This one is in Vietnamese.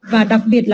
và đặc biệt là